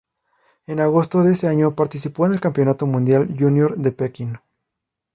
En agosto de ese año participó en el Campeonato Mundial Júnior de Pekín.